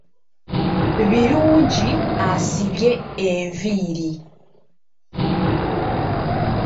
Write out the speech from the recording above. Birungi asibye enviiri.